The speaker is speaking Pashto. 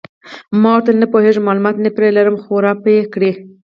ما ورته وویل: نه پوهېږم، معلومات نه پرې لرم، خو را به یې کړي.